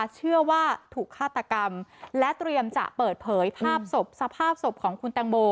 เชื่อว่าถูกฆาตกรรมและเตรียมจะเปิดเผยภาพศพสภาพศพของคุณแตงโม